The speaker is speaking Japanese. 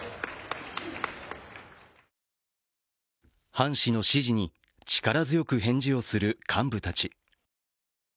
ハン氏の指示に力強く返事をする幹部たち。